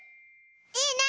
いいね！